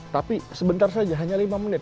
tapi sebentar saja hanya lima menit